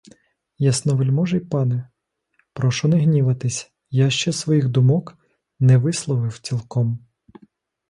Ясновельможний пане, прошу не гніватись, я ще своїх думок не висловив цілком!